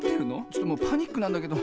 ちょっともうパニックなんだけど。